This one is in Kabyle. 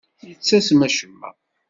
Yettasem acemma.